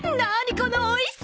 このおいしさ！